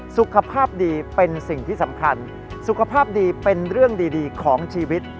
สุขภาพดีเป็นสิ่งที่สำคัญสุขภาพดีเป็นเรื่องดีของชีวิต